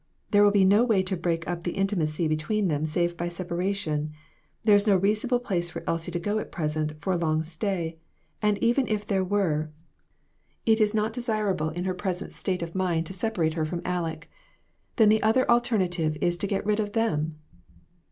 "There will be no way to break up the intimacy between them save by separation. There is no reasonable place for Elsie to go at present, for a long stay ; and even if there were, it is not desirable in her present state READY TO MAKE SACRIFICES. 253 of mind, to separate her from Aleck. Then the other alternative is to get rid of them